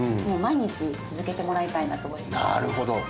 なるほど！